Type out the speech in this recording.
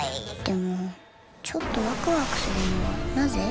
でもちょっとワクワクするのはなぜ？